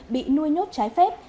bị nuôi nhốt trái phép